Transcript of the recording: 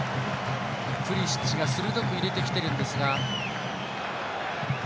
プリシッチが鋭く入れてきていますが。